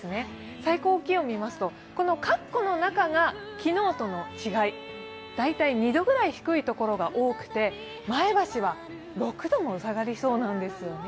最高気温見ますとかっこの中が昨日との違い、大体２度ぐらい低いところが多くて前橋は６度も下がりそうなんですよね。